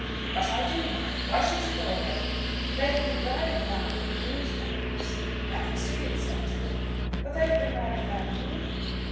"But I do mind. Why should you go away?" "They have been writing about me in the newspapers." "That was to be expected." "But they have been writing about you."